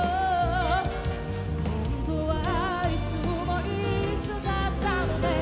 「本当はいつも一緒だったのね」